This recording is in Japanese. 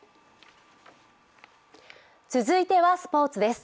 続いてはスポーツです。